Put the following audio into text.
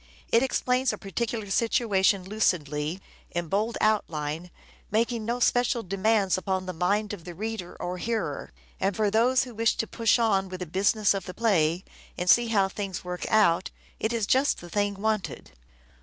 It explains a particular situation lucidly, in bold outline, making no special demands upon the mind of the reader or hearer ; and, for those who wish to push on with the business of the play and see how things work out, it is just the thing wanted.